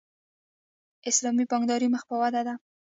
اسلامي بانکداري مخ په ودې ده